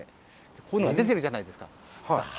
こういうのが出てるじゃないですか。